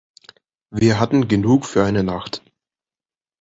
Wir hatten genug für eine Nacht.